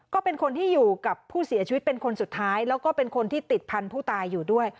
ก็เป็นคนที่อยู่กับผู้เสียชีวิตเป็นคนสุดท้ายแล้วก็เป็นคนที่ติดพันธุ์ผู้ตายอยู่ด้วย